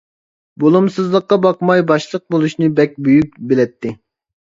بولۇمسىزلىققا باقماي باشلىق بولۇشنى بەك بۈيۈك بىلەتتى.